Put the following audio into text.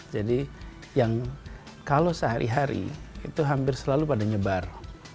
jadi yang kalau sehari hari itu hampir selalu pada nyebar